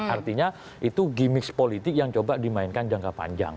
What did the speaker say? artinya itu gimmick politik yang coba dimainkan jangka panjang